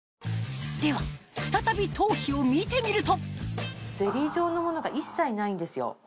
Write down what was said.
では再び頭皮を見てみるとゼリー状のものが一切ないんですよ。